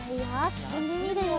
すすんでみるよ。